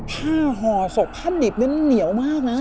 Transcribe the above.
ห่อศพผ้าดิบนั้นเหนียวมากนะ